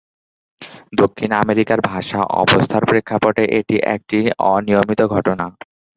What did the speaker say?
দক্ষিণ আমেরিকার ভাষা অবস্থার প্রেক্ষাপটে এটি একটি অনিয়মিত ঘটনা।